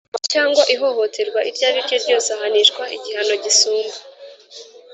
cyangwa ihohoterwa iryo ari ryo ryose, ahanishwa igihano gisumba